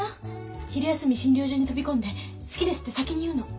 昼休み診療所に飛び込んで好きですって先に言うの。